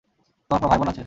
তোমার কোনো ভাই-বোন আছে?